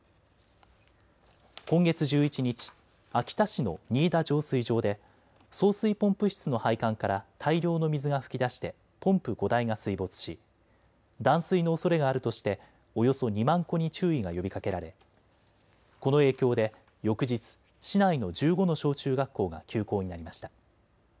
今月１１日、秋田市の仁井田浄水場で送水ポンプ室の配管から大量の水が噴き出してポンプ５台が水没し断水のおそれがあるとしておよそ２万戸に注意が呼びかけられこの影響で翌日、市内の１５の小中学校が休校になりました。